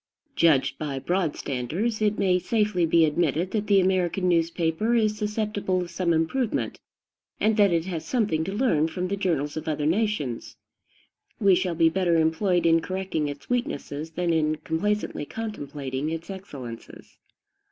Judged by broad standards, it may safely be admitted that the American newspaper is susceptible of some improvement, and that it has something to learn from the journals of other nations. We shall be better employed in correcting its weaknesses than in complacently contemplating its excellences.